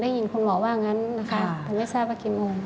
ยิงคุณหมอว่างั้นนะคะถึงไม่ทราบว่ากี่โมง